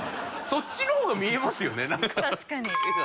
そっちの方が見えますよねなんか。